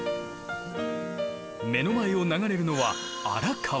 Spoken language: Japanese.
目の前を流れるのは荒川。